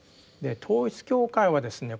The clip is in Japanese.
統一教会はですね